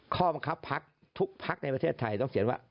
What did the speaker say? ข้อบังคับพักทุกพักในประเทศไทยต้องเขียนว่า